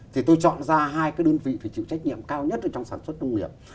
thì tôi chọn ra hai cái đơn vị phải chịu trách nhiệm cao nhất trong sản xuất nông nghiệp